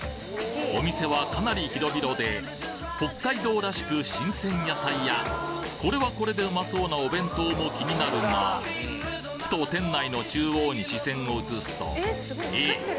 お店はかなり広々で北海道らしく新鮮野菜やこれはこれでうまそうなお弁当も気になるがふと店内の中央に視線を移すとえっ？